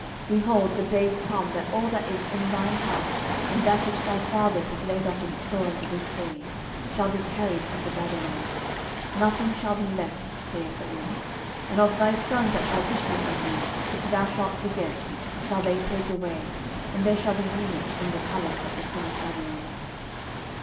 12:020:017 Behold, the days come, that all that is in thine house, and that which thy fathers have laid up in store unto this day, shall be carried into Babylon: nothing shall be left, saith the LORD. 12:020:018 And of thy sons that shall issue from thee, which thou shalt beget, shall they take away; and they shall be eunuchs in the palace of the king of Babylon.